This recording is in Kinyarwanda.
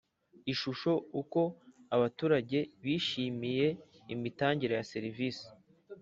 Ishusho uko abaturage bishimiye imitangire ya serivisi